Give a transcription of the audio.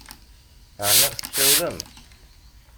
Ɛni tsawlem?